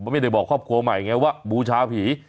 ไม่ได้บอกครอบครัวใหม่ไงว่าบูชาผี